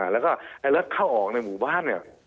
แล้วก็รถเข้าออกในหมู่บ้านเนี่ย